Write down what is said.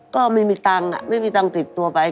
ก็ไม่มีตังค์ไม่มีตังค์ติดตัวไป